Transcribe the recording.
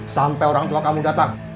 sampai orang tua kamu datang